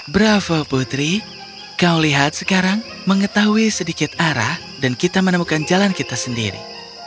bravo putri kau lihat sekarang mengetahui sedikit arah dan kita menemukan jalan kita sendiri